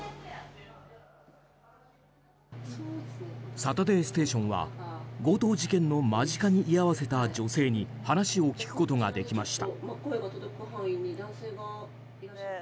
「サタデーステーション」は強盗事件の間近に居合わせた女性に話を聞くことができました。